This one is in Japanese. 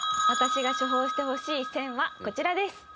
私が処方してほしい「選」はこちらです。